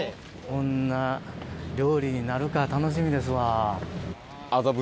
どんな料理になるか楽しみですわ。